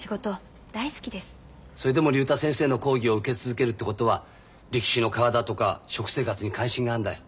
それでも竜太先生の講義を受け続けるってことは力士の体とか食生活に関心があるんだよ。